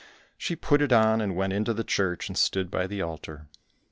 She put it on, and went into the church and stood by the altar.